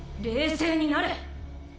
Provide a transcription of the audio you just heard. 冷静になれ。